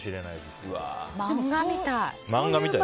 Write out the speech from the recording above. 漫画みたい。